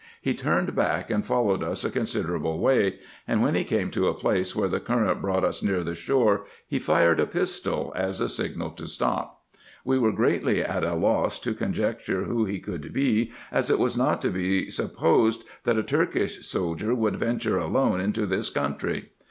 He turned back, and followed us a considerable way ; and when he came to a place, where the current brought us near the shore, he fired a pistol, as a signal to stop. We were greatly at a loss to conjecture who he could be, as it was not to be supposed, that a Turkish soldier would venture alone into this country.